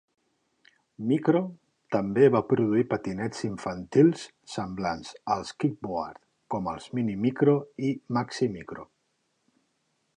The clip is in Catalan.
Micro també va produir patinets infantils semblants al Kickboard com els "Mini Micro" i "Maxi Micro".